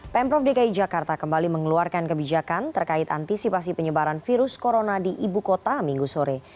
pemprov dki jakarta kembali mengeluarkan kebijakan terkait antisipasi penyebaran virus corona di ibu kota minggu sore